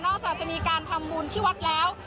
นอกจากจะมีการทำวันที่วัดแล้ว